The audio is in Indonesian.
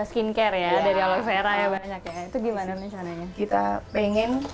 skincare ya dari aloe vera ya banyak ya itu gimana nih caranya